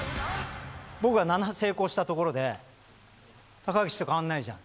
僕が７成功したところで「高岸と変わんないじゃん」